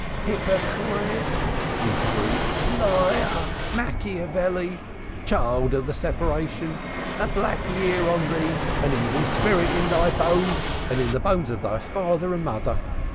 "Hypocrite!" he shrieked. "Liar! Machiavelli! Child of the separation! A black year on thee! An evil spirit in thy bones and in the bones of thy father and mother.